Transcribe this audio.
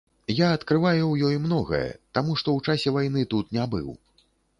Я адкрываю ў ёй многае, таму што ў часе вайны тут не быў.